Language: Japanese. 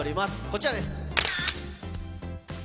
こちらです。